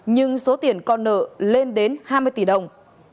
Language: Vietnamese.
nhưng số tiền còn nợ lên đến hai mươi tỷ đồng